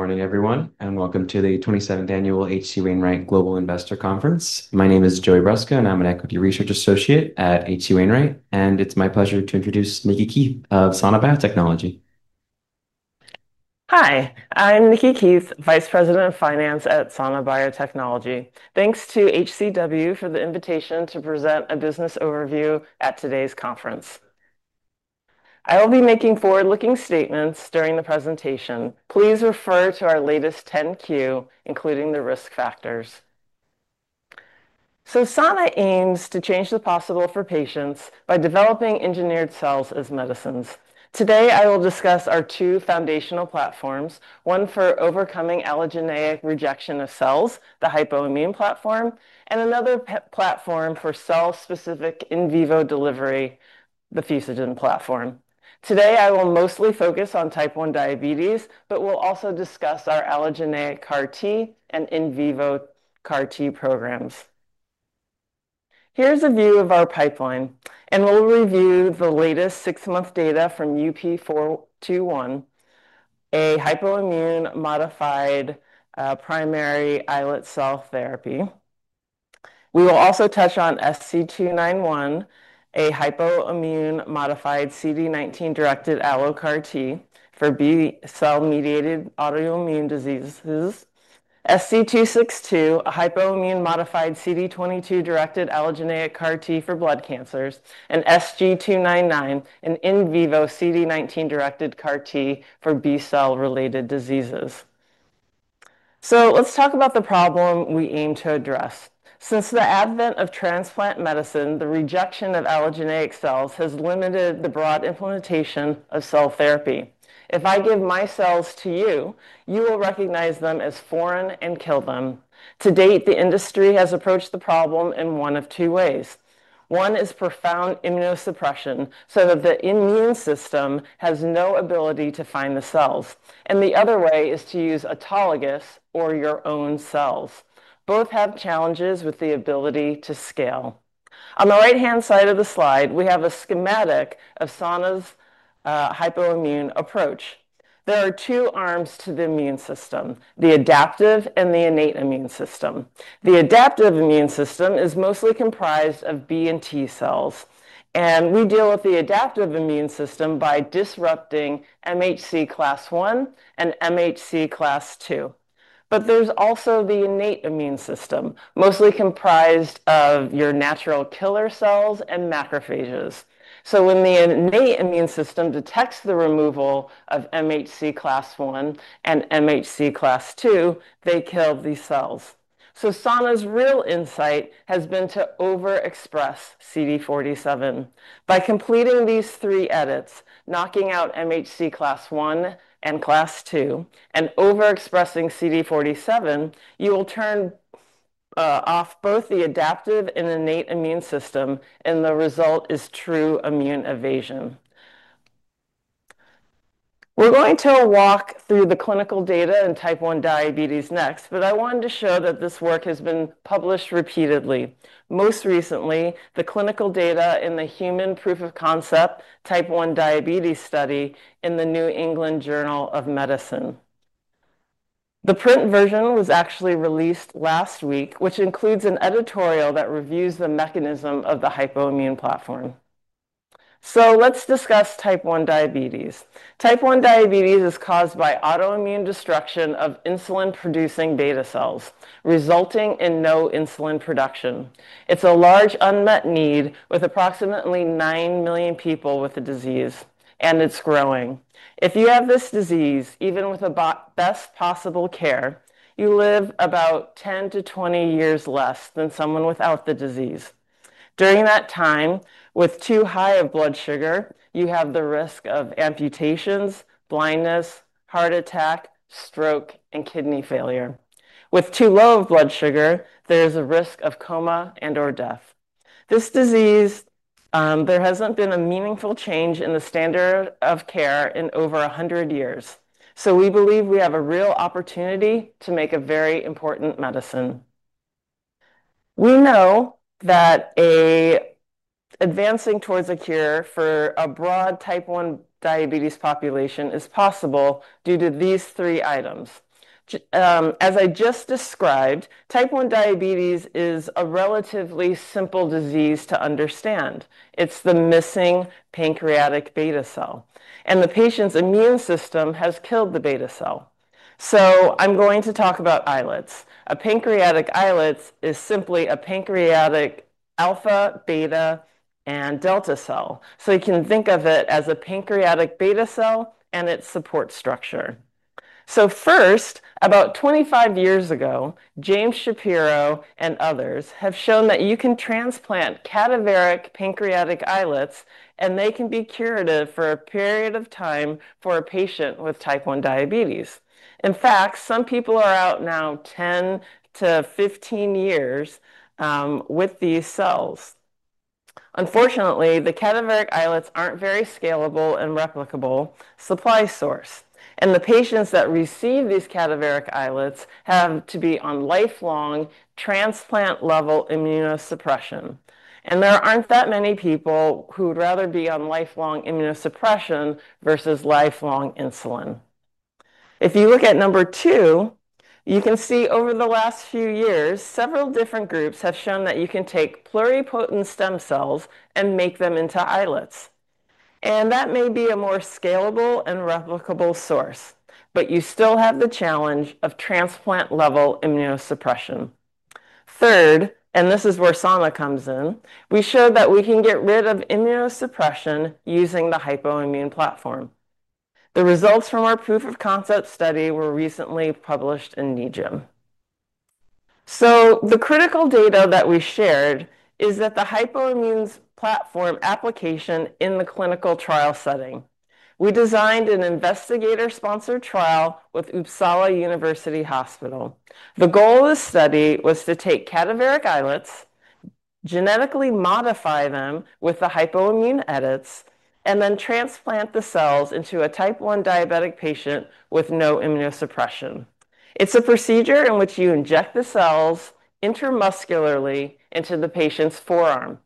Morning everyone, and welcome to the 27th Annual H.C. Wainwright Global Investor Conference. My name is Joey Brusca, and I'm an Equity Research Associate at H.C. Wainwright. It's my pleasure to introduce Nikki Keith of Sana Biotechnology. Hi, I'm Nikki Keith, Vice President of Finance at Sana Biotechnology. Thanks to H.C. W for the invitation to present a business overview at today's conference. I will be making forward-looking statements during the presentation. Please refer to our latest 10-Q, including the risk factors. Sana aims to change the possible for patients by developing engineered cells as medicines. Today, I will discuss our two foundational platforms: one for overcoming allogeneic rejection of cells, the Hypoimmune Platform, and another platform for cell-specific in vivo delivery, the Fusogen Platform. Today, I will mostly focus on type 1 diabetes, but we'll also discuss our allogeneic CAR T and in vivo CAR T programs. Here's a view of our pipeline, and we'll review the latest six-month data from UP421, a Hyphoimmune-modified primary islet cell therapy. We will also touch on SC291, a Hyphoimmune-modified CD19-directed allogeneic CAR T for B-cell-mediated autoimmune diseases, SC262, a Hyphoimmune-modified CD22-directed allogeneic CAR T for blood cancers, and SG299, an in vivo CD19-directed CAR T for B-cell-related diseases. Let's talk about the problem we aim to address. Since the advent of transplant medicine, the rejection of allogeneic cells has limited the broad implementation of cell therapy. If I give my cells to you, you will recognize them as foreign and kill them. To date, the industry has approached the problem in one of two ways. One is profound immunosuppression, so that the immune system has no ability to find the cells. The other way is to use autologous or your own cells. Both have challenges with the ability to scale. On the right-hand side of the slide, we have a schematic of Sana's hyphoimmune approach. There are two arms to the immune system: the adaptive and the innate immune system. The adaptive immune system is mostly comprised of B and T cells, and we deal with the adaptive immune system by disrupting MHC class I and MHC class II. There's also the innate immune system, mostly comprised of your natural killer cells and macrophages. When the innate immune system detects the removal of MHC class I and MHC class II, they kill these cells. Sana's real insight has been to overexpress CD47. By completing these three edits: knocking out MHC class I and class II, and overexpressing CD47, you will turn off both the adaptive and innate immune system, and the result is true immune evasion. We're going to walk through the clinical data in type 1 diabetes next, but I wanted to show that this work has been published repeatedly. Most recently, the clinical data in the human proof of concept type 1 diabetes study in The New England Journal of Medicine. The print version was actually released last week, which includes an editorial that reviews the mechanism of the Hypoimmune Platform. Let's discuss type 1 diabetes. Type 1 diabetes is caused by autoimmune destruction of insulin-producing beta cells, resulting in no insulin production. It's a large unmet need with approximately 9 million people with the disease, and it's growing. If you have this disease, even with the best possible care, you live about 10 years-20 years less than someone without the disease. During that time, with too high of blood sugar, you have the risk of amputations, blindness, heart attack, stroke, and kidney failure. With too low of blood sugar, there is a risk of coma and/or death. This disease, there hasn't been a meaningful change in the standard of care in over 100 years. We believe we have a real opportunity to make a very important medicine. We know that advancing towards a cure for a broad type 1 diabetes population is possible due to these three items. As I just described, type 1 diabetes is a relatively simple disease to understand. It's the missing pancreatic beta cell, and the patient's immune system has killed the beta cell. I'm going to talk about islets. A pancreatic islet is simply a pancreatic alpha, beta, and delta cell. You can think of it as a pancreatic beta cell and its support structure. First, about 25 years ago, James Shapiro and others have shown that you can transplant cadaveric pancreatic islets, and they can be curative for a period of time for a patient with type 1 diabetes. In fact, some people are out now 10 years-15 years with these cells. Unfortunately, the cadaveric islets aren't very scalable and replicable supply source, and the patients that receive these cadaveric islets have to be on lifelong transplant-level immunosuppression. There aren't that many people who would rather be on lifelong immunosuppression versus lifelong insulin. If you look at number two, you can see over the last few years, several different groups have shown that you can take pluripotent stem cells and make them into islets. That may be a more scalable and replicable source, but you still have the challenge of transplant-level immunosuppression. Third, and this is where Sana comes in, we showed that we can get rid of immunosuppression using the Hypoimmune Platform. The results from our proof-of-concept study were recently published in The New England Journal of Medicine. The critical data that we shared is that the Hypoimmune Platform application in the clinical trial setting. We designed an investigator-sponsored trial with Uppsala University Hospital. The goal of the study was to take cadaveric islets, genetically modify them with the Hyphoimmune edits, and then transplant the cells into a type 1 diabetic patient with no immunosuppression. It's a procedure in which you inject the cells intramuscularly into the patient's forearm.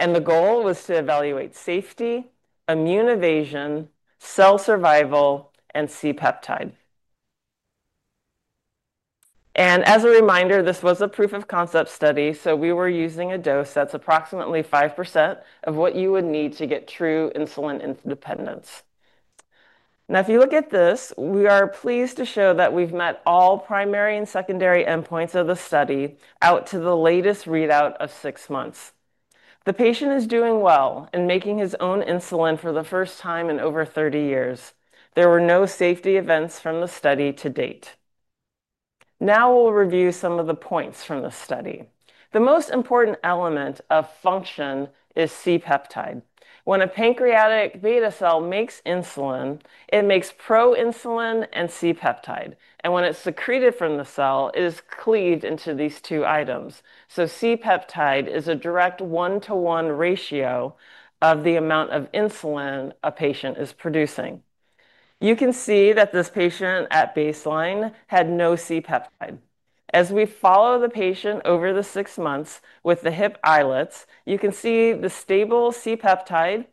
The goal was to evaluate safety, immune evasion, cell survival, and C-peptide. As a reminder, this was a proof-of-concept study, so we were using a dose that's approximately 5% of what you would need to get true insulin dependence. If you look at this, we are pleased to show that we've met all primary and secondary endpoints of the study out to the latest readout of six months. The patient is doing well and making his own insulin for the first time in over 30 years. There were no safety events from the study to date. We'll review some of the points from the study. The most important element of function is C-peptide. When a pancreatic beta cell makes insulin, it makes proinsulin and C-peptide. When it's secreted from the cell, it is cleaved into these two items. C-peptide is a direct one-to-one ratio of the amount of insulin a patient is producing. You can see that this patient at baseline had no C-peptide. As we follow the patient over the six months with the HIP islets, you can see the stable C-peptide,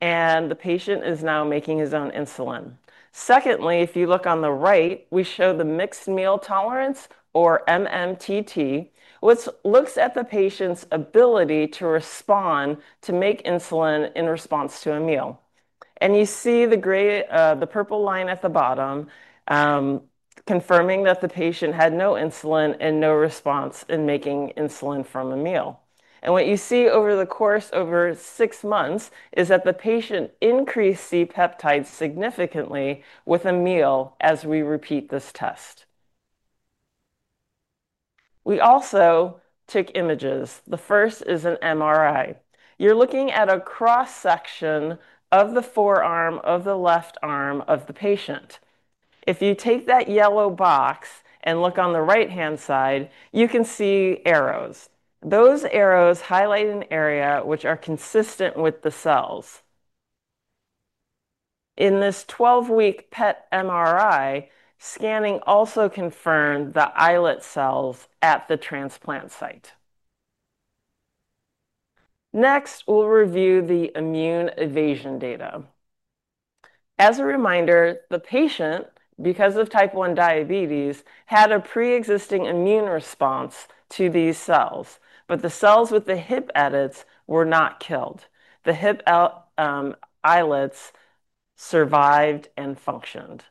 and the patient is now making his own insulin. Secondly, if you look on the right, we show the mixed meal tolerance, or MMTT, which looks at the patient's ability to respond to make insulin in response to a meal. You see the purple line at the bottom confirming that the patient had no insulin and no response in making insulin from a meal. What you see over the course of six months is that the patient increased C-peptide significantly with a meal as we repeat this test. We also took images. The first is an MRI. You're looking at a cross-section of the forearm of the left arm of the patient. If you take that yellow box and look on the right-hand side, you can see arrows. Those arrows highlight an area which is consistent with the cells. In this 12-week PET MRI, scanning also confirmed the islet cells at the transplant site. Next, we'll review the immune evasion data. As a reminder, the patient, because of type 1 diabetes, had a pre-existing immune response to these cells, but the cells with the HIP edits were not killed. The HIP islets survived and functioned.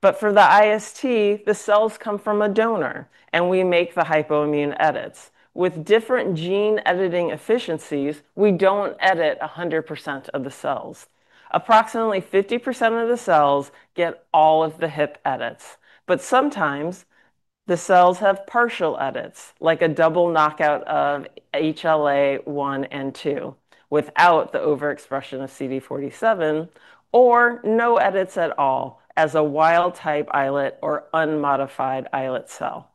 For the IST, the cells come from a donor, and we make the Hyphoimmune edits. With different gene editing efficiencies, we don't edit 100% of the cells. Approximately 50% of the cells get all of the HIP edits, but sometimes the cells have partial edits, like a double knockout of HLA Iand II without the overexpression of CD47, or no edits at all as a wild type islet or unmodified islet cell.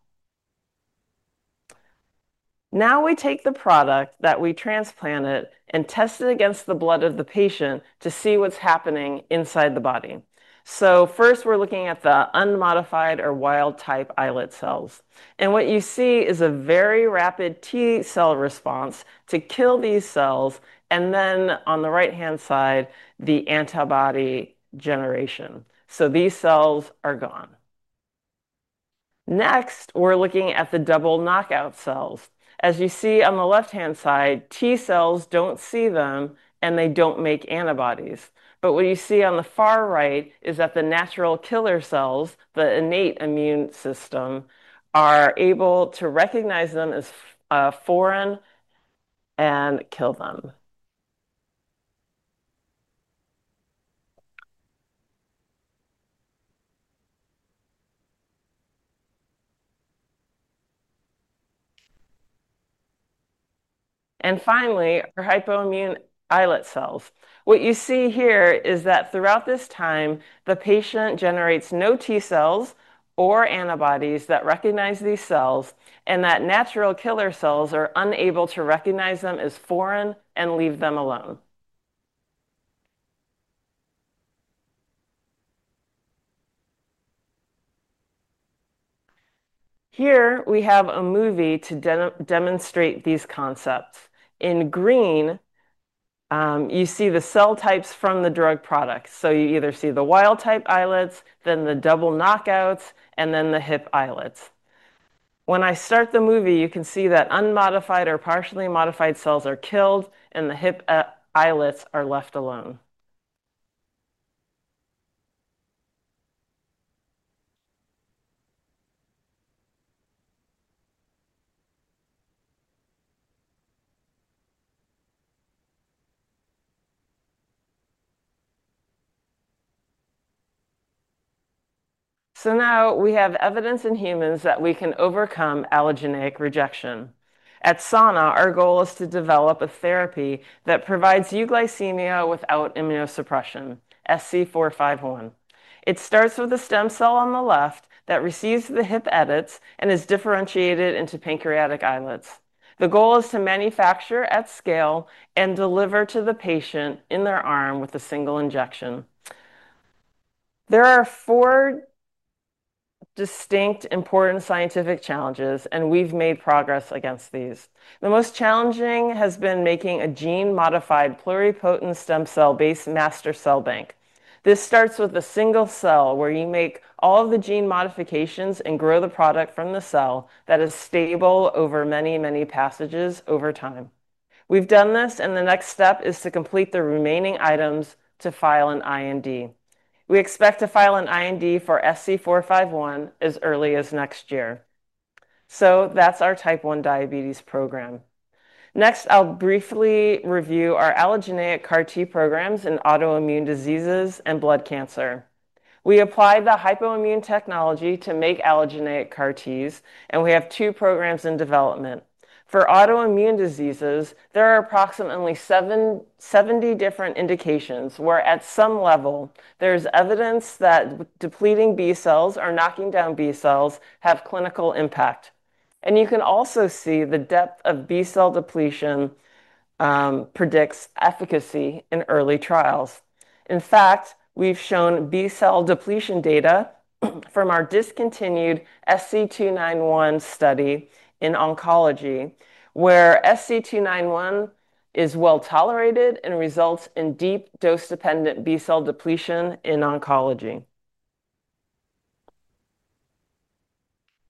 Now we take the product that we transplanted and test it against the blood of the patient to see what's happening inside the body. First, we're looking at the unmodified or wild-type islet cells. What you see is a very rapid T cell response to kill these cells, and then on the right-hand side, the antibody generation. These cells are gone. Next, we're looking at the double knockout cells. As you see on the left-hand side, T cells don't see them, and they don't make antibodies. What you see on the far right is that the natural killer cells, the innate immune system, are able to recognize them as foreign and kill them. Finally, our Hyphoimmune islet cells. What you see here is that throughout this time, the patient generates no T cells or antibodies that recognize these cells, and that natural killer cells are unable to recognize them as foreign and leave them alone. Here, we have a movie to demonstrate these concepts. In green, you see the cell types from the drug product. You either see the wild type islets, then the double knockouts, and then the HIP islets. When I start the movie, you can see that unmodified or partially modified cells are killed, and the HIP islets are left alone. Now we have evidence in humans that we can overcome allogeneic rejection. At Sana, our goal is to develop a therapy that provides euglycemia without immunosuppression, SC451. It starts with a stem cell on the left that receives the HIP edits and is differentiated into pancreatic islets. The goal is to manufacture at scale and deliver to the patient in their arm with a single injection. There are four distinct important scientific challenges, and we've made progress against these. The most challenging has been making a gene-modified pluripotent stem cell-based master cell bank. This starts with a single cell where you make all of the gene modifications and grow the product from the cell that is stable over many, many passages over time. We've done this, and the next step is to complete the remaining items to file an IND. We expect to file an IND for SC451 as early as next year. That's our type 1 diabetes program. Next, I'll briefly review our allogeneic CAR T programs in autoimmune diseases and blood cancer. We applied the Hypoimmune technology to make allogeneic CAR Ts, and we have two programs in development. For autoimmune diseases, there are approximately 70 different indications where at some level there's evidence that depleting B cells or knocking down B cells has clinical impact. You can also see the depth of B cell depletion predicts efficacy in early trials. In fact, we've shown B cell depletion data from our discontinued SC291 study in oncology, where SC291 is well tolerated and results in deep dose-dependent B cell depletion in oncology.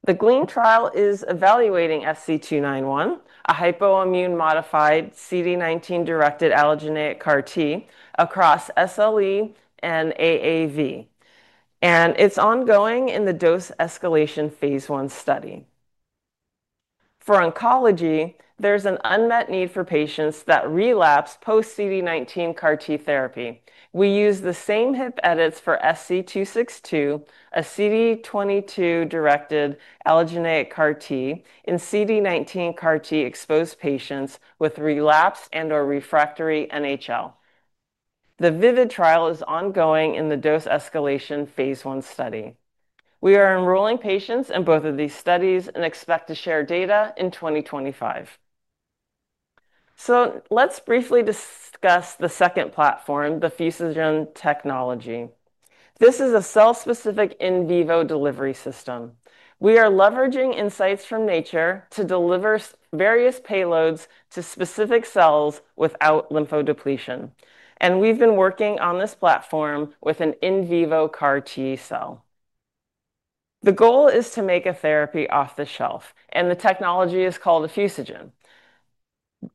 The GLEAM trial is evaluating SC291, a Hypoimmune-modified CD19-directed allogeneic CAR T across SLE and AAV, and it's ongoing in the dose escalation phase I study. For oncology, there's an unmet need for patients that relapse post-CD19 CAR T therapy. We use the same Hypoimmune edits for SC262, a CD22-directed allogeneic CAR T in CD19 CAR T-exposed patients with relapse and/or refractory NHL. The VIVID trial is ongoing in the dose escalation phase I study. We are enrolling patients in both of these studies and expect to share data in 2025. Let's briefly discuss the second platform, the Fusogen technology. This is a cell-specific in vivo delivery system. We are leveraging insights from nature to deliver various payloads to specific cells without lymphodepletion. We've been working on this platform with an in vivo CAR T cell. The goal is to make a therapy off the shelf, and the technology is called a Fusogen.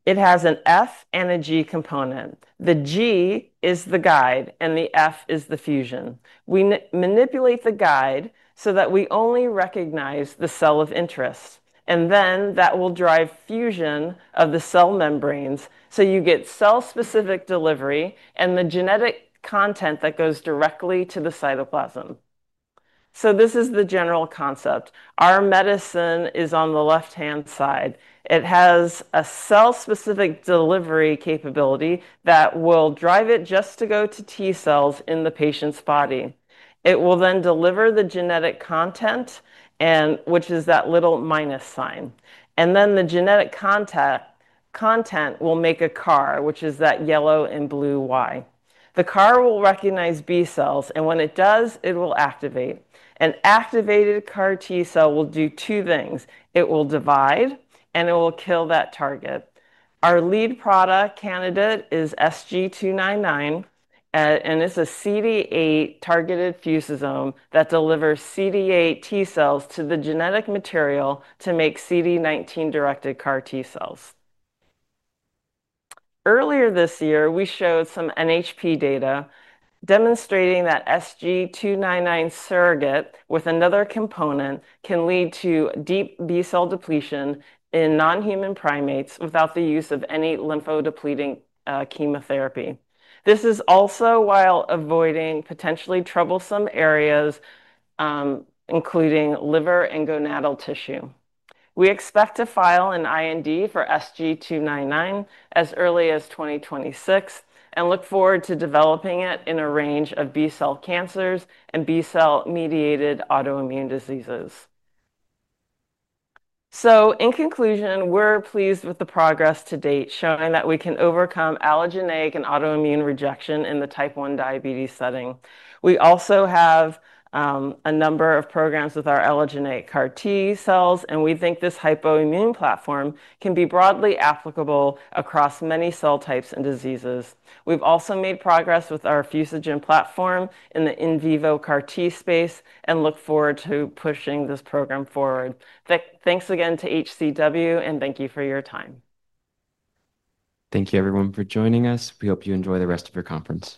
It has an F and a G component. The G is the guide, and the F is the fusion. We manipulate the guide so that we only recognize the cell of interest, and then that will drive fusion of the cell membranes. You get cell-specific delivery and the genetic content that goes directly to the cytoplasm. This is the general concept. Our medicine is on the left-hand side. It has a cell-specific delivery capability that will drive it just to go to T cells in the patient's body. It will then deliver the genetic content, which is that little minus sign. The genetic content will make a CAR, which is that yellow and blue Y. The CAR will recognize B cells, and when it does, it will activate. An activated CAR T cell will do two things. It will divide, and it will kill that target. Our lead product candidate is SG299, and it's a CD8-targeted fusosome that delivers CD8 T cells to the genetic material to make CD19-directed CAR T cells. Earlier this year, we showed some NHP data demonstrating that SG299 surrogate with another component can lead to deep B-cell depletion in non-human primates without the use of any lymphodepleting chemotherapy. This is also while avoiding potentially troublesome areas, including liver and gonadal tissue. We expect to file an IND for SG299 as early as 2026 and look forward to developing it in a range of B-cell cancers and B-cell-mediated autoimmune diseases. In conclusion, we're pleased with the progress to date, showing that we can overcome allogeneic and autoimmune rejection in the type 1 diabetes setting. We also have a number of programs with our allogeneic CAR T cells, and we think this Hypoimmune Platform can be broadly applicable across many cell types and diseases. We've also made progress with our Fusogen Platform in the in vivo CAR T space and look forward to pushing this program forward. Thanks again to H.C. W, and thank you for your time. Thank you, everyone, for joining us. We hope you enjoy the rest of your conference.